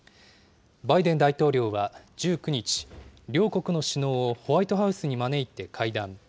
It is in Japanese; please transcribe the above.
バイデン大統領は１９日、両国の首脳をホワイトハウスに招いて、会談。